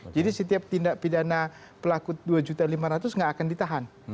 jadi setiap tindak pidana pelaku dua lima ratus nggak akan ditahan